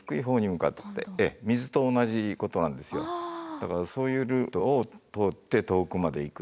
だからそういうルートを通って遠くまでいく。